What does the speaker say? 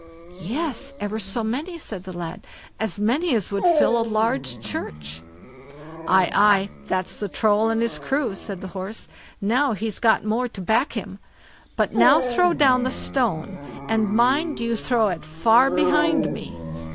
"Yes, ever so many", said the lad, "as many as would fill a large church." "Aye, aye, that's the Troll and his crew", said the Horse; "now he's got more to back him; but now throw down the stone, and mind you throw it far behind me."